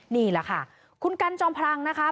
นี่แหละค่ะคุณกันจอมพลังนะคะ